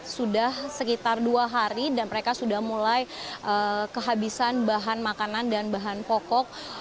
sudah sekitar dua hari dan mereka sudah mulai kehabisan bahan makanan dan bahan pokok